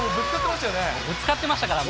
ぶつかってましたよね。